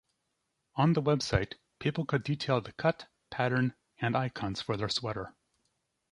On the website, people could detail the cut, pattern, and icons for their sweater.